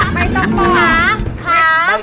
ไม่ต้องบอก